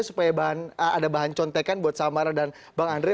supaya ada bahan contekan buat samara dan bang andre